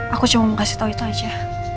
aku cuma mau kasih tahu itu aja